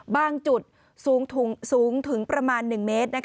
บางจุดสูงถึงประมาณ๑เมตร